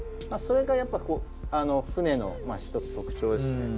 それがやっぱ槽の一つ特徴ですね。